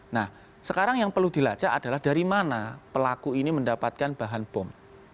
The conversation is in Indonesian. nah sekarang yang perlu dilacak adalah dari mana pelaku ini mendapatkan bahan bom